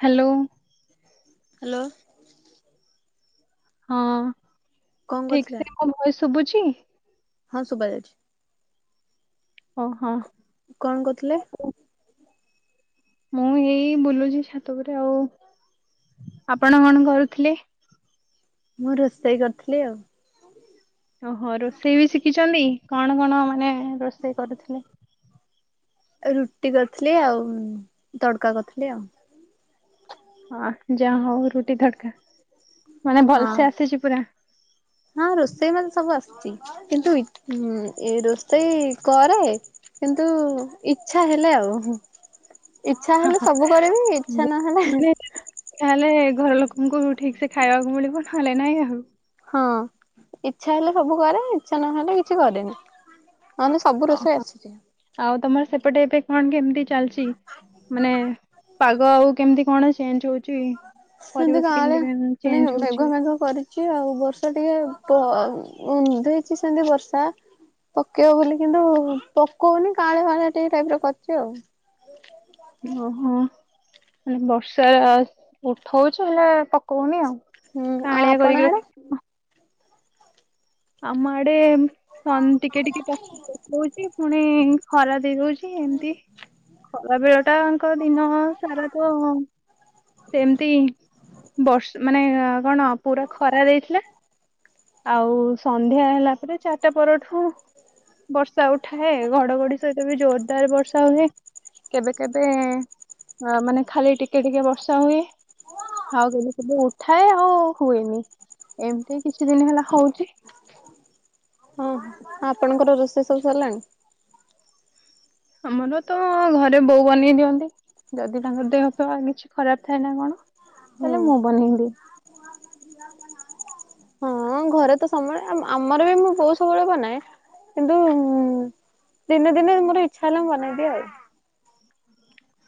Hello. Hello. ହଁ, କଣ ଠିକ୍ କରୁଥିଲେ? ସେ ମୋ ଭଏସ୍ ଶୁଭୁଛି। ହଁ, ଶୁଭା ଯାଉଛି। ଓ ହଁ। କଣ କହୁଥିଲେ? [inaudible] ମୁଁ ଏଇ ବୁଲୁଛି ଛାତ ଉପରେ ଆଉ ଆପଣ କଣ କରୁଥିଲେ? ମୁଁ ରୋଷେଇ କରିଥିଲି ଆଉ। ଓହୋ ରୋଷେଇ ବି ଶିଖିଛନ୍ତି କଣ କଣ ମାନେ ରୋଷେଇ କରୁଥିଲେ? ରୁଟି କରିଥିଲି ଆଉ ତଡକା କରିଥିଲି ଆଉ। ହ ଯାହା ହଉ ରୁଟି ତଡ଼କା ମାନେ ହଁ। ଭଲସେ ଆସିଛି ପୁରା? ହଁ ରୋଷେଇ ମତେ ସବୁ ଆସିଛି। କିନ୍ତୁ ଇ ଏ ରୋଷେଇ କରେ। କିନ୍ତୁ ଇଚ୍ଛା ହେଲେ ଆଉ। ଇଚ୍ଛା ହଁ ହେଲେ ହଁ। ସବୁ କରିବି ଇଚ୍ଛା ନହେଲେ ମାନେ ତାହେଲେ ଘର ଲୋକଙ୍କୁ ଠିକ୍ ସେ ଖାଇବାକୁ ମିଳିବ ନହେଲେ ନାଇଁ ଆଉ। ହଁ ଇଚ୍ଛା ହେଲେ ସବୁ କରେ ଇଚ୍ଛା ନହେଲେ କିଛି କରେନି। ନହନେ ସବୁ ଓହୋ, ରୋଷେଇ ଆସିଛି। ଆଉ ତମର ସେପଟେ ଏବେ କଣ କେମିତି ଚାଲିଛି? ମାନେ ପାଗ ଆଉ କେମିତି କଣ ଚେଞ୍ଜ ହଉ ଚି ପରିବେଶ କେମିତି କେ ଚେଞ୍ଜ ହଉଛି? ତାଙ୍କୁ କରି ଚି ଆଉ ବର୍ଷା ଟିକେ ଦେଇଛି ସେମିତି ବର୍ଷା। ପକେଇବ ବୋଲି କିନ୍ତୁ ପକଉନି କାଁଳିଆ ପାଁଳିଆ ଟିକେ ଟାଇପର କରିଛି ଆଉ। ଓହୋ ମାନେ ବର୍ଷା ଉଠଉଛି ହେଲେ ପକଉନି ଆଉ। ହୁଁ ଆଉ କାଳିଆ ଆପଣ କରିକି ଆଡେ ରଖିଥିବ। ଆମ ଆଡେ ଟିକେ ଟିକେ ପକଉଛି ପୁଣି ଖରା ଦେଇଦଉଛି। ଏମତି ଖରା ବେଳ ଟାଙ୍କ ଦିନ ସାରା ତ ସେମିତି ବର୍ଷ ମାନେ କଣ ପୁରା ଖରା ଦେଇଥିଲା। ଆଉ ସନ୍ଧ୍ୟା ହେଲା ପରେ ଚାରିଟା ପରଠୁ ବର୍ଷା ଉଠାଏ ଘଡଘଡି ସହିତ ବି ଜୋରଦାର ବର୍ଷା ହୁଏ। କେବେ କେବେ ମାନେ ଖାଲି ଟିକେ ଟିକେ ବର୍ଷା ହୁଏ। ଆଉ କେବେ କେବେ ଉଠାଏ ଆଉ ହୁଏନି ଏମିତି କିଛି ଦିନ ହେଲା ହଉଛି। ହୁଁ ହୁଁ ଆପଣଙ୍କର ରୋଷେଇ ସବୁ ସରିଲାଣି? ଆମର ତ ଘରେ ବୋଉ ବନେଇ ଦିଅନ୍ତି। ଯଦି ତାଙ୍କର ଦେହ ପେହ କିଛି ଖରାପ ଥାଏ ନା କଣ ହୁଁ ତାହେଲେ ମୁଁ ବନେଇଦିଏ। ହଁ ଘରେ ତ ସବୁବେଳେ ଆମର ବି ମୁଁ ବୋଉ ସବୁବେଳେ ବନାଏ କିନ୍ତୁ ଦିନେ ଦିନେ ମୋର ଇଚ୍ଛା ହେଲେ ମୁ ବନେଇଦିଏ ଆଉ।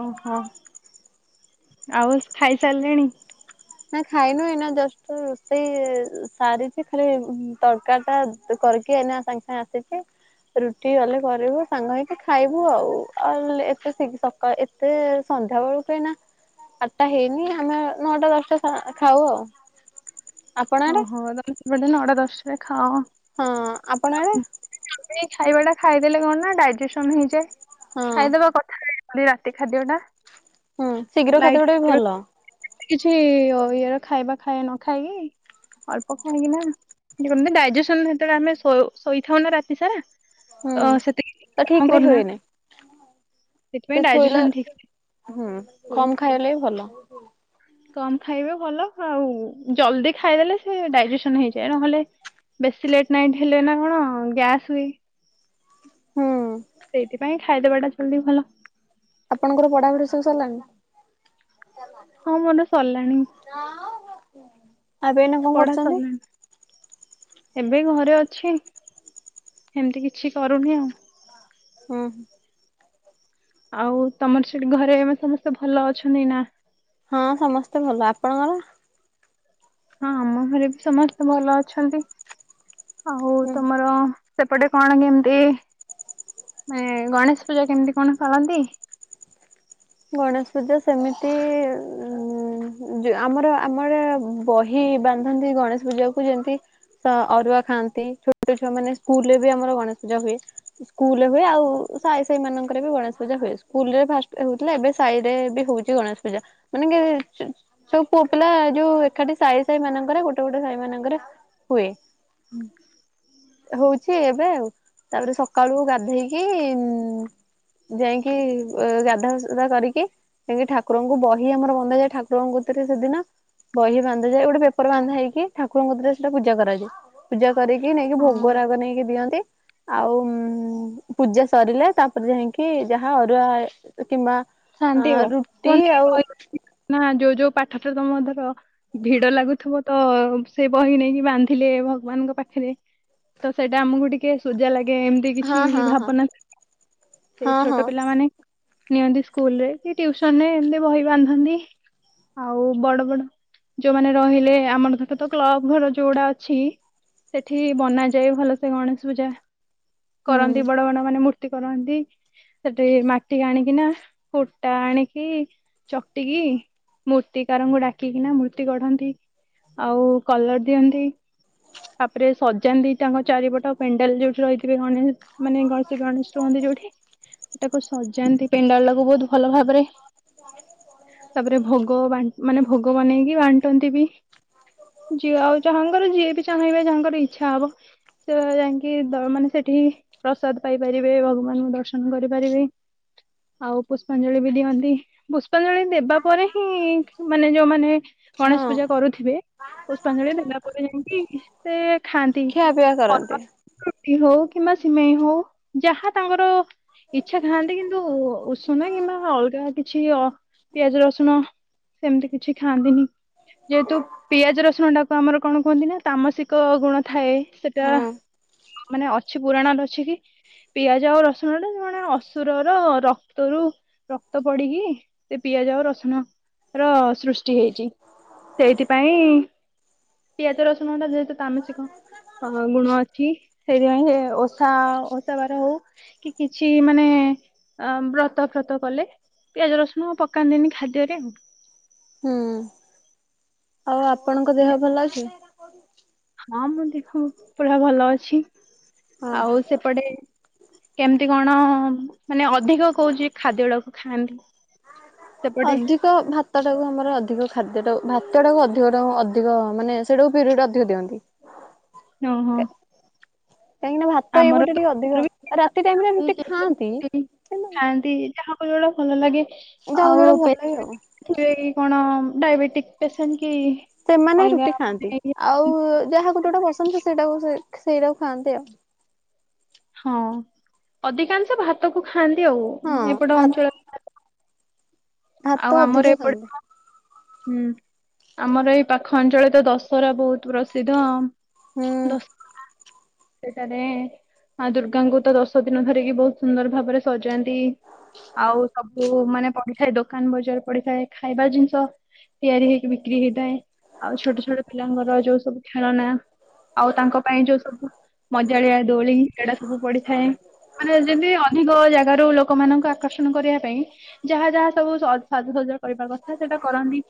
ଓହୋ ଆଉ ଖାଇସାରିଲେଣି? ନା ଖାଇନୁ ଏଇନା ଜଷ୍ଟ ରୋଷେଇ ସାରିଛି ଖାଲି ତରକା ଟା ତୁ କରିକି ଏନା ସାଙ୍ଗେ ସାଙ୍ଗେ ଆସିଛି। ରୁଟି ଗଲେ କରିବୁ ସାଙ୍ଗ ହେଇକି ଖାଇବୁ ଆଉ ଆଉ ଏତେ ଶି ଏତେ ସନ୍ଧ୍ୟା ବେଳୁ କାହିଁ ନା ଆଠଟା ହେଇନି ଆମେ ନଅଟା ଦଶଟା ଖାଉ ଆଉ। ଆପଣ ଆଡେ? ଓହୋ ତମେ ସବୁଦିନ ନଅଟା ଦଶଟା ରେ ଖାଅ। ହଁ ଆପଣ ଆଡେ? ଖାଇବା ଟା ଖାଇଦେଲେ କଣ ନା ଡାଇଜେସନ ହେଇଯାଏ ହଁ ଖାଇଦବା କଥାନା। ଖାଲି ରାତି ଖାଦ୍ୟ ଟା। ହୁଁ ଶୀଘ୍ର ଖାଇଦେବା ଟା ବି ଲାଇଟ୍ ଭଲ। କିଛି ଇଏର ଖାଇବା ଖାଇବା ନ ଖାଇକି। ଅଳ୍ପ ଖାଇକି ନା ଯେମିତି ଡାଇଜେସନ ସେତେବେଳେ ଆମେ ଶୋଇଥାଉ ନା ରାତି ସାରା। ହୁଁ। ଅ ତ ଠିକ [inaudible] ରେ କରୁନା ହୁଏନି ସେ ସେଥିପାଇଁ ଶୋଇଲା ଡାଇଜେସନ ଠିକ ହୁଁ ସେ କମ୍ ଖାଇଲେ ବି ଭଲ। କମ୍ ଖାଇବେ ଭଲ ଆଉ ଜଲଦି ଖାଇଦେଲେ ସେ ଡାଇଜେସନ ହେଇଯାଏ ନହେଲେ ବେଶୀ ଲେଟ୍ ନାଇଟ୍ ହେଲେ ନା କଣ ଗ୍ୟାସ୍ ହୁଏ। ହୁଁ ସେଇଥିପାଇଁ ଖାଇଦବା ଟା ଜଲଦି ଭଲ। ଆପଣଙ୍କର ପଢାପଢି ସବୁ ସରିଲାଣି? ହଁ ମୋର ସରିଲାଣି। [inaudible] ଏଇନା କଣ ପଢା କରୁଛନ୍ତି? ସରିଲାଣି। ଏବେ ଘରେ ଅଛି ଏମିତି କିଛି କରୁନି ଆଉ। ହୁଁ ହୁଁ। ଆଉ ତମର ସେଠି ଘରେ ଏ ସମସ୍ତେ ଭଲ ଅଛନ୍ତି ନା? ହଁ ସମସ୍ତେ ଭଲ ଆପଣଙ୍କର? ହଁ ଆମ ଘରେ ବି ସମସ୍ତେ ଭଲ ଅଛନ୍ତି ଆଉ ତମର? ସେପଟେ କଣ କେମିତି ମ ଗଣେଶ ପୂଜା କେମିତି କଣ କରନ୍ତି? ଗଣେଶ ପୂଜା ସେମିତି ଉ ଉ ଆମର ଆମର ବହି ବାନ୍ଧନ୍ତି ଗଣେଶ ପୂଜା କୁ ଯେମିତି ଅରୁଆ ଖାଆନ୍ତି ଛୋଟ ଛୁଆ ମାନେ ସ୍କୁଲ ରେ ବି ଆମର ଗଣେଶ ପୂଜା ହୁଏ। ସ୍କୁଲରେ ହୁଏ ଆଉ ସାଇ ସାହି ମାନଙ୍କରେ ବି ଗଣେଶ ପୂଜା ହୁଏ, ସ୍କୁଲ ରେ ଫାଷ୍ଟ ହଉ ଏବେ ସାହି ରେ ବି ହଉଛି ଗଣେଶ ପୂଜା ମାନେ କି ସବୁ ପୁଅ ପିଲା ଯୋଉ ଏକାଠି ସାଇ ସାହି ମାନଙ୍କରେ ଗୋଟେ ଗୋଟେ ସାହି ମାନଙ୍କରେ ହୁଏ। ହୁଁ ହଉଛି ଏବେ ଆଉ ତାପରେ ସକାଳୁ ଗାଧେଇକି ଉ ଯାଇକି ବ ଗାଧା କରିକି ଯାଇକି ଠାକୁରଙ୍କୁ ବହି ଆମର ବନ୍ଧା ଯାଏ ଠାକୁରଙ୍କ କତିରେ ସେଦିନ। ବହି ବାନ୍ଧାଯାଏ ଗୋଟେ ପେପର ବନ୍ଧା ହେଇକି ଠକୁରଙ୍କ କତିରେ ସେଟା ପୂଜା କରାଯାଏ। ପୂଜା କରିକି ନେଇକି ହଁ ଭୋଗ ରାଗ ନେଇକି ଦିଅନ୍ତି। ଆଉ ପୂଜା ସରିଲେ ତାପରେ ଯାଇକି ଯାହା ଅରୁଆ କିମ୍ବା ଅ ଖାଆନ୍ତି ଆଉ ରୁଟି କୁହନ୍ତି ଆଉ ଯୋଉ ଯୋଉ ପାଠ ତମର ଧର ଭିଡ ଲାଗୁଥିବ ତ ସେ ବହି ନେଇକି ବାନ୍ଧିଲେ ଭଗବାନଙ୍କ ପାଖରେ? ତ ସେଟା ଆମକୁ ଟି ଟିକେ ସୁଜା ଲାଗେ ଏମିତି ହଁ କିଛି ବି ହଁ ହଁ ଭାବନା ସେ ହଁ ଛୋଟ ହଁ। ପିଲା ମାନେ ନିଅନ୍ତି ସ୍କୁଲରେ କି ଟିଉସନ ରେ ଏମତି ବହି ବାନ୍ଧନ୍ତି। ଆଉ ବଡ ବଡ ଯୋଉମାନେ ରହିଲେ ଆମର ଧର ତ କ୍ଲବ ଘର ଯୋଉଗୁଡା ଅଛି ସେଠି ବନାଯାଏ ଭଲସେ ଗଣେଶ ପୂଜା। ହୁଁ କରନ୍ତି ବଡ ବଡ ମାନେ ମୂର୍ତ୍ତି କରନ୍ତି, ସେଠି ମାଟିି ଆଣିକିନା କୁଟା ଆଣିକି ଚକଟିକି ମୂର୍ତ୍ତିକାରଙ୍କୁ ଡାକିକିନା ମୂର୍ତ୍ତି ଗଢନ୍ତି। ଆଉ କଲର ଦିଅନ୍ତି। ତାପରେ ସଜାନ୍ତି ତାଙ୍କ ଚାରିପଟ ପେଣ୍ଡାଲ ଯୋଉଠି ରହିଥିବେ ଗଣେଶ। ମାନେ ଗଣେଶେ ଗଣେଶ ରୁହନ୍ତି ଯୋଉଠି, ତାକୁ ସଜାନ୍ତି ପେଣ୍ଡାଲ ଟାକୁ ବହୁତ ଭଲ ଭାବ ତାପରେ ତାପରେ ଭୋଗ ବାଣ୍ଟ ମାନେ ଭୋଗ ବନେଇକି ବାଣ୍ଟନ୍ତି ବି। ଯି ଆଉ ଯାହାଙ୍କର ଯିଏ ବି ଚାହିଁବେ ଯାହାଙ୍କର ଇଚ୍ଛା ହବ। ସେ ଯାଇକି ଦ ମାନେ ସେଠି ପ୍ରସାଦ ପାଇପାରିବେ, ଭଗବାନଙ୍କୁ ଦର୍ଶନ କରିପାରିବେ। ଆଉ ପୁଷ୍ପାଞ୍ଜଳି ବି ଦିଅନ୍ତି। ପୁ ପାଞ୍ଜଳି ଦେବା ପରେ ହିଁ ମାନେ ଯୋଉମାନେ ହଁ ଗଣେଶ ପୂଜା କରୁଥିବେ। ପୁଷ୍ପାଞ୍ଜଳି ଦେଲା ପରେ ଯାଇଁକି ସେ ଖାଆନ୍ତି। ଖିଆପିଆ କରନ୍ତି। ରୁଟି ହଉ କିମ୍ବା ସିମେଇ ହଉ ଯାହା ତାଙ୍କର ଇଛା ଖାଆନ୍ତି କିନ୍ତୁ ଉସ ନା କିମ୍ବା ଅଲଗା କିଛି ଅ ପିଆଜ ରସୁଣ ସେମିତି କିଛି ଖାଆନ୍ତିନି। ଯେହେତୁ ପିଆଜ ରସୁଣ ଟାକୁ ଆମର କଣ କୁହନ୍ତି ନା ତାମସିକ ଗୁଣ ଥାଏ। ସେଟା ହଁ ମାନେ ଅ କିଛି ପୁରାଣ ରେ ଅଛି କି, ପିଆଜ ଆଉ ରସୁଣ ଟା ଜଣେ ଅସୁରର ର କ୍ତ ରୁ ରକ୍ତ ପଡିକି ସେ ପିଆଜ ଆଉ ରସୁଣ ର ସୃଷ୍ଟି ହେଇଚି ସେଇଥିପାଇଁ ପିଆଜ ରସୁଣ ଟା ଯେହେତୁ ତାମସିକ ଅ ଗୁଣ ଅଛି ସେଇଥିପାଇଁ ଏ ଓସା ଓସା ବାର ହଉ କି କିଛି ମାନେ ବ୍ରତ ଫ୍ରତ କଲେ ପିଆଜ ରସୁଣ ପକାନ୍ତିନି ଖାଦ୍ୟରେ ଆଉ। ହୁଁ ଆଉ ଆପଣଙ୍କ ଦେହ ଭଲ ଅଛି? ହଁ ମୁଁ ଦେଖ ପୁରା ଭଲ ଅଛି। ହଁ। ଆଉ ସେପଟେ କେମିତି କଣ ମାନେ ଅଧିକ କହୁଛି ଖାଦ୍ୟ ଗୁଡାକୁ ଖାଆନ୍ତି? ସେପଟେ ଅଧି କ ଭାତଟାକୁ ଆମର ଅଧିକ ଖାଦ୍ୟଟା ଭାତଟାକୁ ଅଧିକ ଅଧିକ ମାନେ ସେଟାକୁ ପିରିୟଡ଼ ଅଧିକ ଦିଅନ୍ତି। ଓ ହୋ। କାହିଁକି ନା ଭାତ ଏଇ ପଟେ ଟିକେ ଅଧିକ ଆମର ଆଉ। ରାତି ଟାଇମ ଟା ରୁଟି ବି ଖାଆନ୍ତି କେତେ କିନ୍ତୁ ଯାହାକୁ ଯଉଟା ଭଲ ଲାଗେ ଯାହାକୁ ଆଉ ଯୋଉଟା ଭଲ ଲାଗେ ଆଉ ଥିବେ କି କଣ ଡାଇବେଟିକ ପେସେଣ୍ଟ କି ସେମାନେ ଅଲଗା ରୁଟି ଖାଆନ୍ତି, ମାନେ ଆଉ ଇଏ- ଯାହାକୁ ଯୋଉଟା ପସନ୍ଦ ସେଇଟାକୁ ସେଇଟାକୁ ଖାଆନ୍ତି ଆଉ। ହଁ, ଅଧିକାଂଶ ଭାତ କୁ ଖାଆନ୍ତି, ଆଉ ହଁ ଏପଟ ଭା ଅଞ୍ଚଳ ଆଉ ଭାତ ଆମର ଅଧିକ ଏପଟେ ଖାଆନ୍ତି। ହୁଁ ଆମର ଏଇ ପାଖ ଅଞ୍ଚଳରେ ତ, ଦଶହରା ବହୁତ ହୁଁ ପ୍ରସିଦ୍ଧ। [inaudible] ସେଠାରେ ମା ଦୁର୍ଗାଙ୍କୁ ତ ଦଶ ଦିନ ଧରିକି ବହୁତ ସୁନ୍ଦର ଭାବରେ ସଜା ଆଉ ସବୁ ମାନେ ପଡିଥାଏ ଦୋକାନ ବଜାର ପଡିଥାଏ ଖାଇବା ଜିନିଷ ତିଆରି ହେଇକି ବିକ୍ରି ହେଇଥାଏ। ଆଉ ଛୋଟ ଛୋଟ ପିଲାଙ୍କର ଯୋଉ ସବୁ ଖେଳନା ଆଉ ତାଙ୍କ ପାଇଁ ଯୋଉ ସବୁ ମଜାଳିଆ ଦୋଳି ସେଇଟା ସବୁ ପଡିଥାଏ। ମାନେ ଯେମିତି ଅଧିକ ଜାଗାରୁ, ଲୋକମାନଙ୍କୁ ଆକର୍ଷଣ କରିବା ପାଇଁ ଯାହା ଯାହା ସବୁ ସାଜସଜା କରିବା କଥା ସେଇଟା କରନ୍ତି।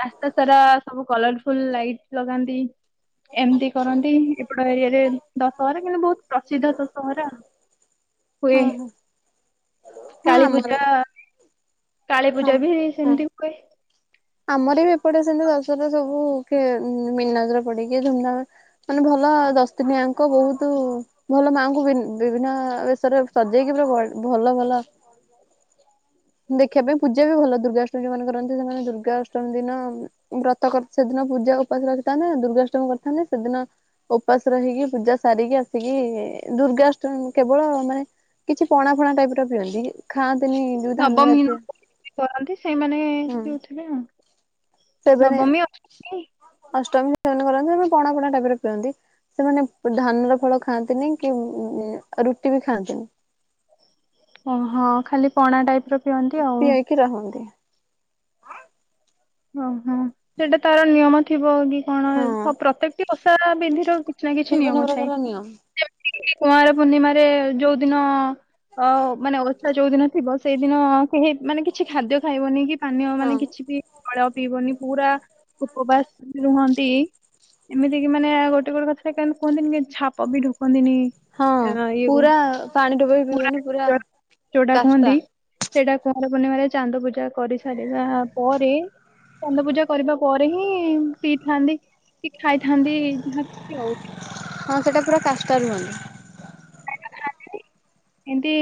ରାସ୍ତା ସାରା ସବୁ କଲରଫୁଲ ଲାଇଟ ଲଗାନ୍ତି। ଏମିତି କରନ୍ତି ଏପଡ ଏରିଆରେ ଦଶହରା କିନ୍ତୁ ବହୁତ ପ୍ରସିଦ୍ଧ ଦଶହରା ହୁଏ। ହଁ ହଁ ହଁ କାଳୀ ଆମର ପୂଜା କାଳୀ ହଁ ପୂଜା ବି ହଁ। ସେମିତି ହୁଏ। ଆମର ବି ଏପଟେ ସେମତି ଦଶହରା ସବୁ କିଏ ମନାଜରେ ପଡିକି ଧୁମଧାମ ମାନେ ଭଲ ଦଶ ଦିନିଆଙ୍କ ବହୁତ ଭଲ ମାଆଙ୍କୁ ବି ବିଭିନ୍ନ ବେଶରେ ସଜେଇକି ପୁରା ଭଲ ଭଲ ଦେଖିବା ପାଇଁ ପୂଜା ବି ଭଲ, ଦୁର୍ଗାଷ୍ଟମୀ ଯୋଉମାନେ କରନ୍ତି ସେମାନେ ଦୁର୍ଗା ଅଷ୍ଟମୀ ଦିନ ବ୍ରତ କରି ସେଦିନ ପୂଜା ଉପାସ ରଖିଥାନ୍ତି, ଦୁର୍ଗାଷ୍ଟମୀ କରିଥାନ୍ତି ସେଦିନ ଉପାସ ରହିକି ପୂଜା ସାରିକି ଆସିକି ଦୁର୍ଗାଷ୍ଟମ କେବଳ ମାନେ କିଛି ପଣା ଫଣା ଟାଇପ ର ପିଅନ୍ତି ଖାଆନ୍ତିନି ଯୋଉ ଧାନ ନବମୀ ଜାତୀୟ ନବମୀ [unintelligible] କରନ୍ତି ସେଇମାନେ ହୁଁ ପିଉଥିବେ ଆଉ। ସେମାନେ ନବମୀ ଅଷ୍ଟମୀ ଅଷ୍ଟମୀ ଯୋଉମାନେ କରନ୍ତି ଆନେ ପଣା ଫଣା ଟାଇପ ରେ ପିଅନ୍ତି। ସେମାନେ ପ ଧାନର ଫଳ ଖାଆନ୍ତିନି କି ରୁଟି ବି ଖାଆନ୍ତିନି। ଓହୋ ଖାଲି ପଣା ଟାଇପ ର ପିଅନ୍ତି ଆଉ। କି ରହନ୍ତି। ଓହୋ ସେଇଟା ତାର ନିୟମ ଥିବ କି କଣ ହଁ ଆଉ ପ୍ରତ୍ୟେକଟି ଓଷା ବିଧିର କି କିଛି ନା କିଛି ବିଭିନ୍ନ ନିୟମ ଥାଏ। ପ୍ରକାର ନିୟମ [unintelligible] କୁଆଁର ପୂର୍ଣ୍ଣିମାରେ ଯୋଉଦିନ ଅ ମାନେ ଓଷା ଯୋଉଦିନ ଥିବ ସେଇଦିନ କେହି ମାନେ କିଛି ଖାଦ୍ୟ ଖାଇବନି କି ପାନୀୟ ହଁ। ମାନେ କିଛି ବି ଫଳ ପିଇବନି ପୁରା ଉପବାସ ରୁହନ୍ତି। ଏମିତି କି ମାନେ ଗୋଟେ ଗୋଟେ କଥା ଟିଏ କୁହନ୍ତିନି କି ଛାପ ବି ଢୁକନ୍ତିନି। ହଁ ଆ ଇଏକୁ ପୁରା ପାଣି ଟୋପେ ବି ପୁରା ପିଇବନି [unintelligible] ଯୋଉଟା କାଷ୍ଟା କୁହନ୍ତି ସେଇଟା କୁଆଁର ପୂର୍ଣ୍ଣିମାରେ ଚାନ୍ଦ ପୂଜା କରିସାରିବା ପରେ ଚାନ୍ଦ ପୂଜା କରିବା ପରେ ହିଁ ପିଇଥାନ୍ତି କି ଖାଇଥାନ୍ତି ଯାହାକିଛି ଆଉ। ହଁ ସେଟା ପୁରା କାଷ୍ଟା ରୁହନ୍ତି। ଏମତି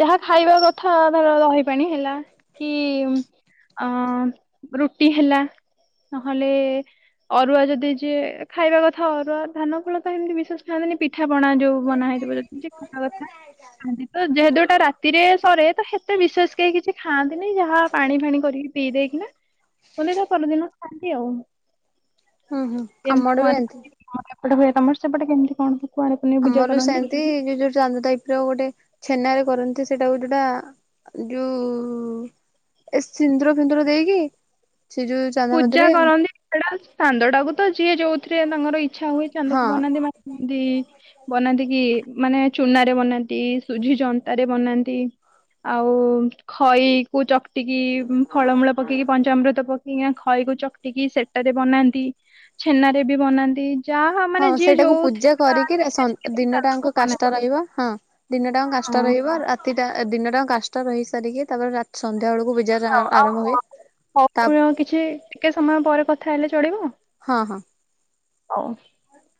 ଯାହା ଖାଇବା କଥା ଧର ଦହିପାଣି ହେଲା। କି ଅ, ରୁଟି ହେଲା, ନହେଲେ ଅରୁଆ ଯଦି ଯିଏ ଖାଇବା କଥା ଅରୁଆ ଧାନ ଫଳ ତ ଏମିତି ବିଶେଷ ଖାଆନ୍ତିନି। ପିଠା ପଣା ଯୋଉ ବନା ହେଇଥିବ ଯଦି ଯିଏ ଖାଇବା କଥା ଖାଆନ୍ତି ତ, ଯେହେତୁ ଏଟା ରାତିରେ ସରେ ତ ସେତେ ବିଶେଷ କେଇ କିଛି ଖାଆନ୍ତିନି। ଯାହା ପାଣି ଫାଣି କରିକି ପିଇ ଦେଇକିନା। କୁହନ୍ତି ଏଟା ପରଦିନ ଖାଆନ୍ତି ଆଉ। ହଁ। କେମତି କୁଆଁର [inaudible] ଆମର ତ ଏପଟେ ହୁଏ। ତୋମର ସେପଟେ କେମିତି କଣ କୁଆଁର ପୁନେଇ ପୂଜା [inaudible] କରନ୍ତି? ସେମତି ଯିଏ ଯୋଉ ଚାନ୍ଦ ଟାଇପ୍ ର ଗୋଟେ ଛେନାରେ କରନ୍ତି ସେଟା ଗୁଟେ ଟା ଯୋଉ ଏ ସିନ୍ଦୁର ଫିନ୍ଦୁର ଦେଇକି ସେ ଯୋଉ ଚାନ୍ଦା ପୂଜା ମଧ୍ୟରେ କରନ୍ତି ସେଟା ଚାନ୍ଦ ଟାକୁ ତ ଯିଏ ଯୋଉଥିରେ ତାଙ୍କର ଇଚ୍ଛା ହୁଏ ଚାନ୍ଦକୁ ହଁ ବନାନ୍ତି। ମା ଦି ବନାନ୍ତି କି ମାନେ ଚୁନାରେ ବନାନ୍ତି। ସୁଝି ଜନ୍ତାରେ ବନାନ୍ତି। ଆଉ ଖଇ କୁ ଚକଟିକି ଉଁ, ଫଳମୂଳ ପକେଇକି, ପଞ୍ଚାମୃତ ପ କିଆଁ ଖଇକୁ ଚକଟିକି ସେଟାରେ ବନାନ୍ତି। ଛେନାରେ ବି ବନାନ୍ତି। ଯାହା ହଁ ମାନେ ଯିଏ ସେଇଟାକୁ ପୂଜା ଯୋଉଥିରେ କରିକିରି ପାଆନ୍ତି ଏ ସେ ସନ୍ ଏ ସେଇ ଦିନ ଚାନ୍ଦକୁ ଟାଙ୍କ ବନାନ୍ତି। କାଷ୍ଟା ରହିବ, ହଁ। ଦିନଟା ଯାଙ୍କ କାଷ୍ଟା ହଁ ରହିବ। ରାତି ଟା ଏ ଦିନ ଟା କାଷ୍ଟା ରହି ସାରିକି ତାପରେ ରା-ସନ୍ଧ୍ୟା ବେଳକୁ ପୂଜା ଯାହା ହଉ ଆଉ ଆରମ୍ଭ ହୁଏ ହଉ ତା ହଉ ମୁଁ କିଛି ଟିକେ ସମୟ ପରେ କଥା ହେଲେ ଚଳିବ? ହଁ, ହଁ। ହଉ।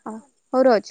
ହଉ ରହୁଛି।